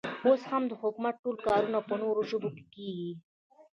اوس هم د حکومت ټول کارونه په نورو ژبو کې کېږي.